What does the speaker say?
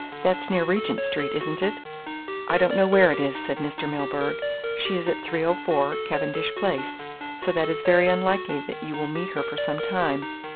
"That's near Regent Street, isn't it?" "I don't know where it is," said Mr. Milburgh. "She is at 304, Cavendish Place, so that it is very unlikely that you will meet her for some time."